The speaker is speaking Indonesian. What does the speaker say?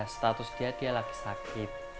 status dia dia lagi sakit